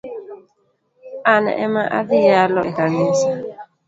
An ema adhii yalo e kanisa